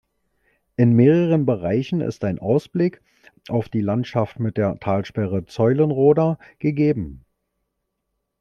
In mehreren Bereichen ist ein Ausblick auf die Landschaft mit der Talsperre Zeulenroda gegeben.